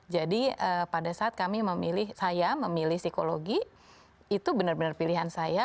jadi pada saat kami memilih saya memilih psikologi itu benar benar pilihan saya